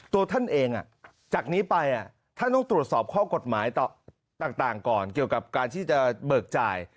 ตัวท่านเองจากนี้ไปท่านต้องตรวจสอบข้อกฎหมายต่างก่อนเกี่ยวกับการที่จะเบิกจ่าย